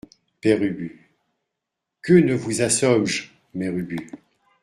Père Ubu Que ne vous assom’je, Mère Ubu !